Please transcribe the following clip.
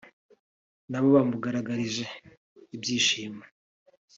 nabo bamugaragarije ibyishimo